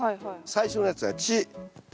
最初のやつは「チ」。